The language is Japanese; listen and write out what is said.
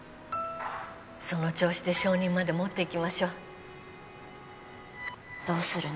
その調子で承認までもっていきましょうどうするの？